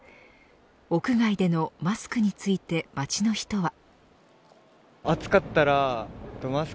屋外でのマスクについて街の人は。